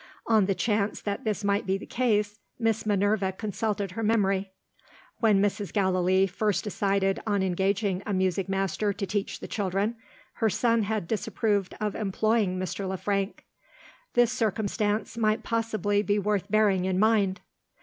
On the chance that this might be the case, Miss Minerva consulted her memory. When Mrs. Gallilee first decided on engaging a music master to teach the children, her son had disapproved of employing Mr. Le Frank. This circumstance might possibly be worth bearing in mind.